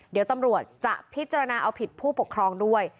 เดี๋ยวตำรวจจะพิจารณาเอาผิดผู้ปกครองด้วย